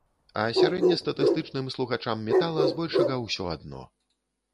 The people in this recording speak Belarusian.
А сярэднестатыстычным слухачам метала збольшага ўсё адно.